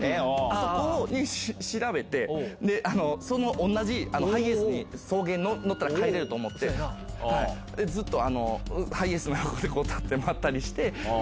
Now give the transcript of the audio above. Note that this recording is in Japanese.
そこに、調べて、その同じハイエースに送迎乗ったら帰れると思って、ずっと、ハイエースの横で立って待ったりして。